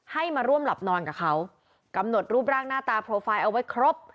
ให้มาร่วมหลับนอนกับเขากำหนดรูปร่างหน้าตาโปรไฟล์เอาไว้ครบ